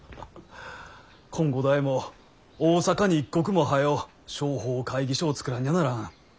こん五代も大阪に一刻も早う商法会議所を作らんにゃならん。